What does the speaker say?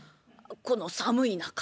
この寒い中。